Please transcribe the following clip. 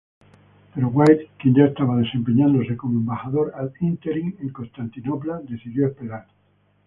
Pero White, quien ya estaba desempeñándose como embajador "ad interim" en Constantinopla, decidió esperar.